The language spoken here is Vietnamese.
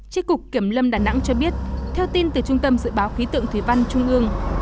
tri cục kiểm lâm đà nẵng cho biết theo tin từ trung tâm dự báo khí tượng thủy văn trung ương